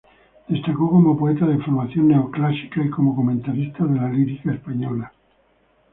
Destacó como poeta de formación neoclásica y como comentarista de la lírica española.